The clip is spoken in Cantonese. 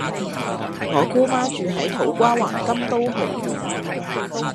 我姑媽住喺土瓜灣金都豪苑